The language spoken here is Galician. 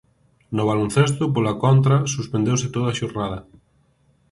No baloncesto, pola contra, suspendeuse toda a xornada.